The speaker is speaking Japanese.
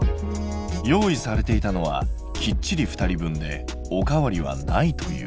用意されていたのはきっちり２人分でおかわりはないという。